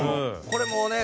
これもね